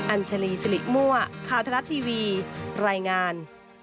อัญชลีสิริมั่วข่าวทะลัดทีวีรายงาน